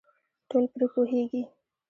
ټول پرې پوهېږي .